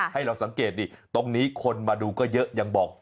ให้เราสังเกตดิตรงนี้คนมาดูก็เยอะยังบอก